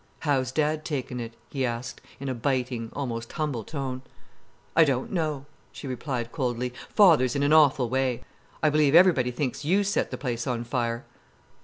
"How's dad taken it?" he asked, in a biting, almost humble tone. "I don't know," she replied coldly. "Father's in an awful way. I believe everybody thinks you set the place on fire."